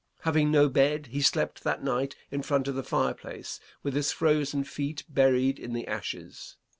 Having no bed, he slept that night in front of the fireplace, with his frozen feet buried in the ashes.